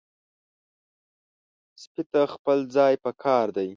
سپي ته خپل ځای پکار دی.